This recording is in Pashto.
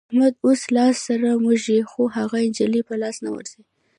احمد اوس لاس سره موږي خو هغه نجلۍ په لاس نه ورځي.